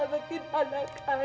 ibu ibu tolong selamatkan anakku